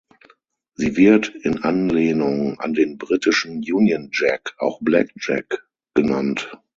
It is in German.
Sie wird, in Anlehnung an den britischen Union Jack, auch Black Jack genannt.